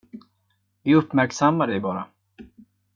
Vi uppmärksammar dig bara.